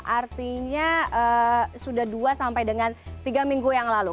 artinya sudah dua sampai dengan tiga minggu yang lalu